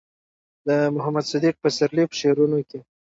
د محمد صديق پسرلي په شعرونو کې